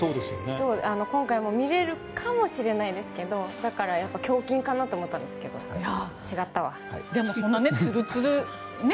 今回も見れるかもしれないですけどだから、やっぱり胸筋かなと思ったんですけどでもそんな、ツルツル。